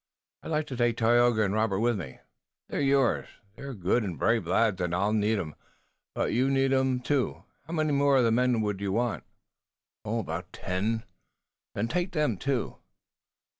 "I'd like to take Tayoga and Robert with me." "They're yours. They're good and brave lads, and I'll need 'em, but you'll need 'em too. How many more of the men here will you want?" "About ten." "Then take them too."